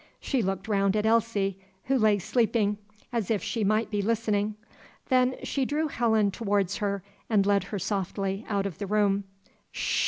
She looked round at Elsie, who lay sleeping, as of she might be listening. Then she drew Helen towards her and led her softly out of the room.